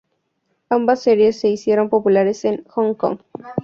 Ambas series se hicieron populares en Hong Kong.